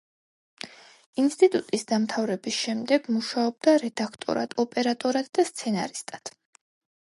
ინსტიტუტის დამთავრების შემდეგ მუშაობდა რედაქტორად, ოპერატორად და სცენარისტად.